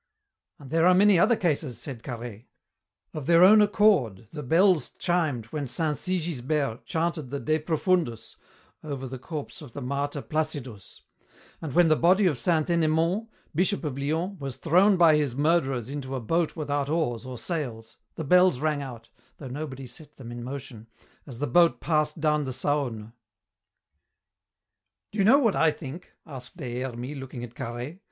"And there are many other cases," said Carhaix. "Of their own accord the bells chimed when Saint Sigisbert chanted the De Profundis over the corpse of the martyr Placidus, and when the body of Saint Ennemond, Bishop of Lyons, was thrown by his murderers into a boat without oars or sails, the bells rang out, though nobody set them in motion, as the boat passed down the Saône." "Do you know what I think?" asked Des Hermies, looking at Carhaix.